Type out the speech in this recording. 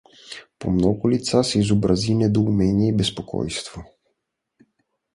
По много лица се изобрази недоумение и безпокойство.